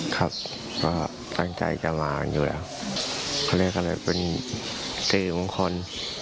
ครับก็ตั้งใจจะมาอยู่แล้วเขาเรียกกันเลยเป็นศรีมงคล